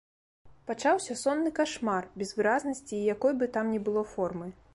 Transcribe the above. Пачаўся сонны кашмар, без выразнасці і якой бы там ні было формы.